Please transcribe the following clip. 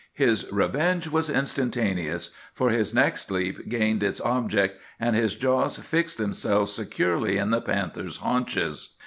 His revenge was instantaneous; for his next leap gained its object, and his jaws fixed themselves securely in the panther's haunches.